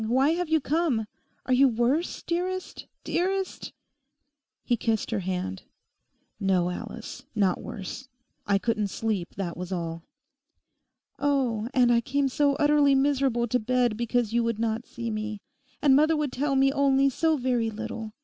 why have you come? Are you worse, dearest, dearest?' He kissed her hand. 'No, Alice, not worse. I couldn't sleep, that was all.' 'Oh, and I came so utterly miserable to bed because you would not see me. And Mother would tell me only so very little.